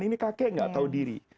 ini kakek gak tahu diri